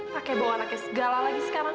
pakai bawa anaknya segala lagi sekarang